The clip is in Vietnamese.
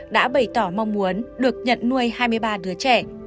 đã bày tỏ mong muốn được nhận nuôi hai mươi ba đứa trẻ